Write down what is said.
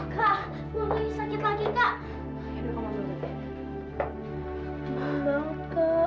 kak mau nyanyi sakit lagi kak